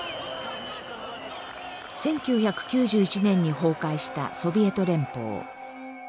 １９９１年に崩壊したソビエト連邦。